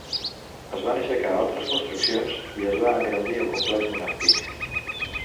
Es van aixecar altres construccions i es va engrandir el complex monàstic.